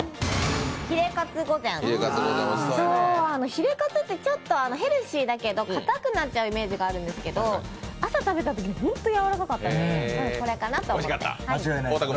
ひれかつってヘルシーだけどかたくなっちゃうイメージがあるんですけど朝食べたときに本当にやわらかかったので、これかなと思って。